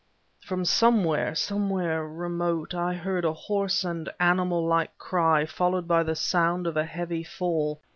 From somewhere somewhere remote I heard a hoarse and animal like cry, followed by the sound of a heavy fall.